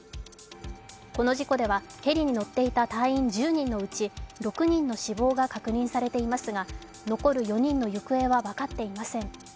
この事故ではヘリに乗っていた隊員１０人のうち６人の死亡が確認されていますが残る４人の行方は分かっていません